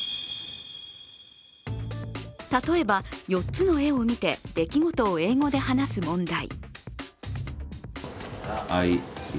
例えば、４つの絵を見て出来事を英語で話す問題。